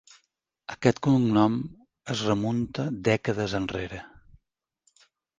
Aquest cognom es remunta dècades enrere.